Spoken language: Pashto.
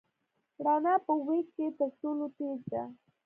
رڼا په وېګ کې تر ټولو تېز ده.